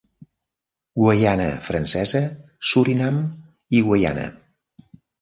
Guaiana Francesa, Surinam i Guaiana.